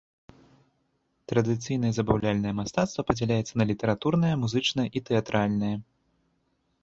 Традыцыйнае забаўляльнае мастацтва падзяляецца на літаратурнае, музычнае і тэатральнае.